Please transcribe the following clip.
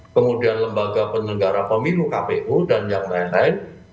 kemudian lembaga penyelenggara pemilu kpu dan yang lain lain